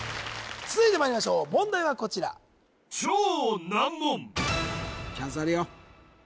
続いてまいりましょう問題はこちらチャンスあるよ